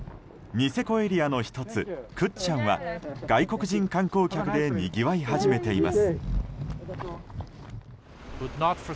ニセコエリアの１つ倶知安は外国人観光客でにぎわい始めています。